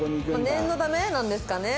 念のためなんですかね？